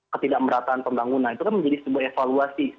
ketidakmerataan pembangunan itu kan menjadi sebuah evaluasi